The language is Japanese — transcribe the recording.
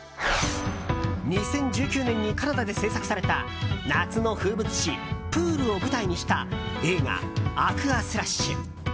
２０１９年にカナダで制作された夏の風物詩、プールを舞台にした映画「アクアスラッシュ」。